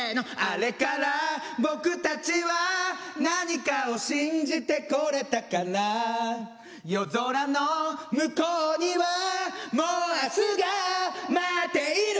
「あれからぼくたちは何かを信じてこれたかなぁ」「夜空のむこうにはもう明日が待っている」